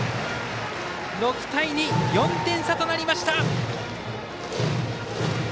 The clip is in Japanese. ６対２、４点差となりました。